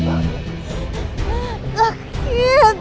mas ini kau benar